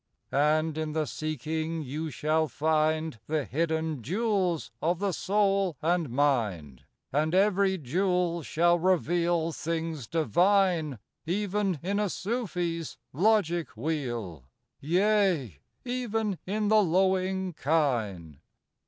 And in the seeking you shall find The hidden jewels of the soul and mind: And every jewel shall reveal Things divine Even in a Sufi's logic wheel, Yea, even in the lowing kine.